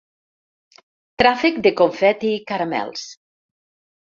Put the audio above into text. Tràfec de confeti i caramels.